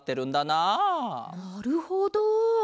なるほど。